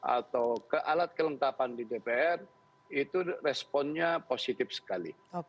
atau ke alat kelengkapan di dpr itu responnya positif sekali